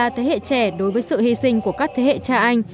ba thế hệ trẻ đối với sự hy sinh của các thế hệ cha anh